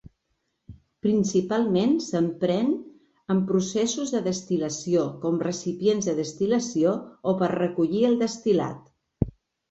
Principalment s'empren en processos de destil·lació com recipients de destil·lació o per recollir el destil·lat.